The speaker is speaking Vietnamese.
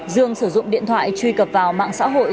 dương sử dụng điện thoại truy cập vào mạng xã hội